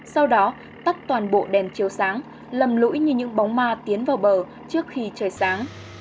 sau đó tắt toàn bộ đèn chiều sáng lầm lỗi như những bóng ma tiến vào bờ trước khi trời sáng